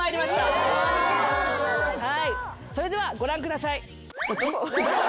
それではご覧ください。